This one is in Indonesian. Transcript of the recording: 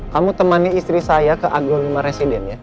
kamu temani istri saya ke agro lima resident ya